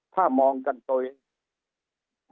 ถ้ามองกันตัวเอง